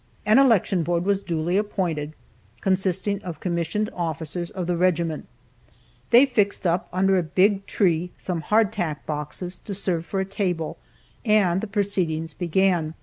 An election board was duly appointed, consisting of commissioned officers of the regiment; they fixed up under a big tree some hardtack boxes to serve for a table, and the proceedings began.